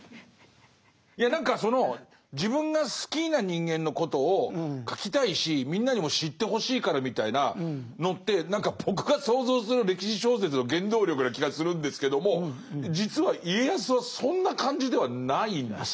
いや何かその自分が好きな人間のことを書きたいしみんなにも知ってほしいからみたいなのって何か僕が想像する歴史小説の原動力な気がするんですけども実は家康はそんな感じではないんですね。